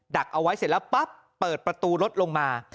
ดักเอาไว้เสร็จแล้วปั๊บเปิดประตูรถลงมา